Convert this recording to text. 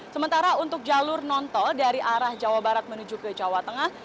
sementara untuk jalur non tol dari arah jawa barat menuju ke jawa tengah